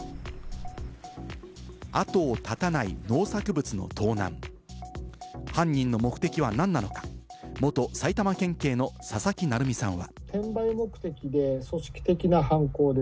後を絶たない農作物の盗難、犯人の目的は何なのか、元埼玉県警の佐々木成三さんは。